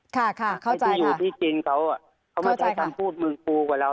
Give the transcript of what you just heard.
ที่อยู่ที่จินเขาเขาไม่ใช้คำพูดมือครูกว่าเรา